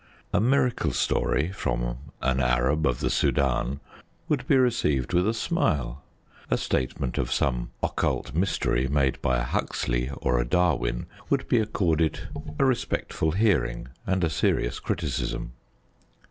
A miracle story from an Arab of the Soudan would be received with a smile; a statement of some occult mystery made by a Huxley or a Darwin would be accorded a respectful hearing and a serious criticism.